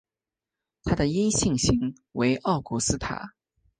它的阴性型为奥古斯塔。